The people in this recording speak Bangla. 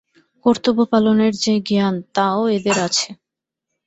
কর্তব্য পালনের যে জ্ঞান তা-ও এদের আছে।